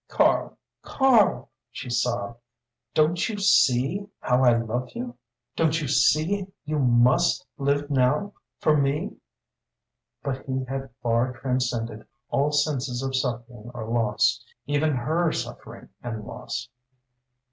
"Karl Karl!" she sobbed "don't you _see _how I love you? don't you see you _must _live now for me?" But he had far transcended all sense of suffering or loss, even her suffering and loss.